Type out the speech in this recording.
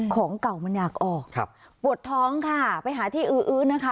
ของเก่ามันอยากออกครับปวดท้องค่ะไปหาที่อื้อนะคะ